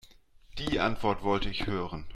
Die Antwort wollte ich hören.